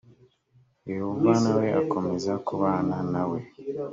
yehova na we akomeza kubana na we